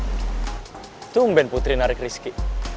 itu umben putri narik rizky